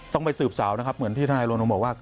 ต้องไปสืบสาวนะครับเหมือนที่ทนายโรนโรงบอกว่า